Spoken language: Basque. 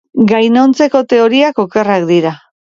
Gainontzeko teoriak okerrak dira.